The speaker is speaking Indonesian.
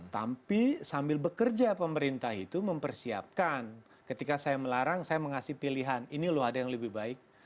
tapi sambil bekerja pemerintah itu mempersiapkan ketika saya melarang saya mengasih pilihan ini loh ada yang lebih baik